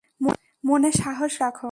মনে সাহস রাখো।